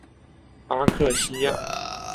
阿克西亚。